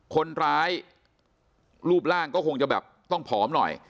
คนร้ายรูปร่างก็คงจะแบบต้องผอมหน่อย